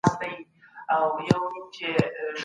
د سیند هوا د انسان ذهن ته آرام ورکوي.